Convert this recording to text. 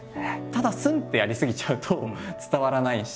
ただスンってやり過ぎちゃうと伝わらないし。